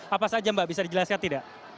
apa saja mbak bisa dijelaskan tidak